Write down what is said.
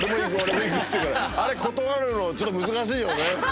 あれ断るのちょっと難しいよね。